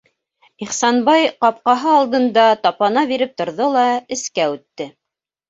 Ихсанбай ҡапҡаһы алдында тапана биреп торҙо ла эскә үтте.